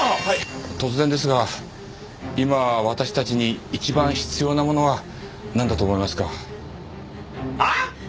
突然ですが今私たちに一番必要なものはなんだと思いますか？はあ！？